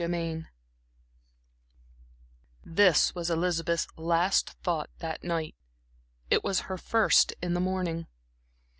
Chapter X This was Elizabeth's last thought that night; it was her first in the morning.